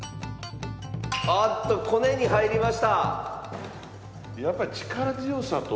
あっとこねに入りました。